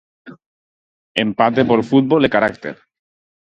Empate por fútbol e carácter.